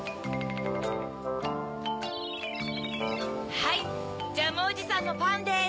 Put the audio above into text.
はいジャムおじさんのパンです。